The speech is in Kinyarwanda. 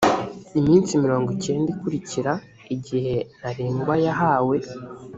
iminsi mirongo icyenda ikurikira igihe ntarengwa yahawe